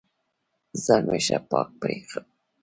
ځان مې ښه پاک پرېوه.